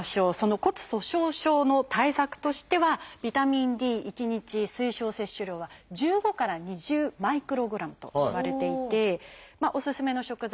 骨粗しょう症の対策としてはビタミンＤ１日推奨摂取量は１５から２０マイクログラムといわれていておすすめの食材さけとか